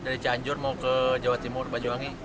dari canjur mau ke jawa timur bajoangi